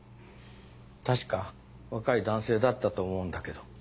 たしか若い男性だったと思うんだけど。